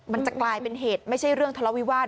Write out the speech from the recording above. มันจะกลายเป็นเหตุไม่ใช่เรื่องทะเลาวิวาส